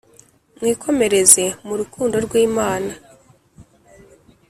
mwikomereze mu rukundo rw’imana